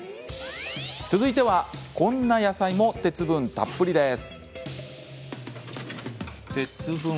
続いてはこんな野菜も鉄分たっぷりです。